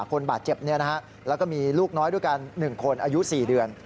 คนบาดเจ็บแล้วก็มีลูกน้อยด้วยกัน๑คนอายุ๔เดือน